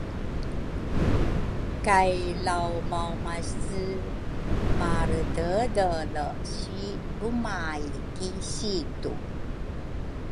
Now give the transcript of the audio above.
kay laumaumase marededele si lrumay ki situ.